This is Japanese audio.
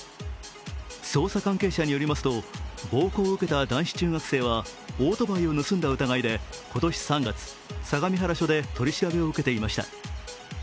捜査関係者によりますと、暴行を受けた男子中学生はオートバイを盗んだ疑いで今年３月、相模原署で取り調べを受けていました。